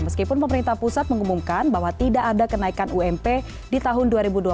meskipun pemerintah pusat mengumumkan bahwa tidak ada kenaikan ump di tahun dua ribu dua puluh